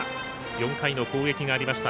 ４回の攻撃がありました。